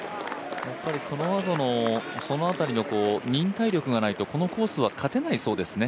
その辺りの忍耐力がないとこのコースは勝てないようですね。